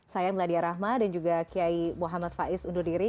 saya meladia rahma dan juga kiai muhammad faiz undur diri